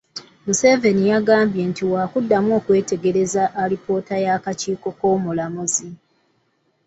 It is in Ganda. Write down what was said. Museveni yagambye nti waakuddamu okwetegereza alipoota y'akakiiko k'Omulamuzi